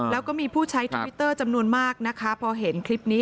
แล้วก็มีผู้ใช้ทวิตเตอร์จำนวนมากนะคะพอเห็นคลิปนี้